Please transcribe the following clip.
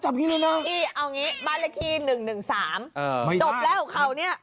จบแล้วเขาเนี่ย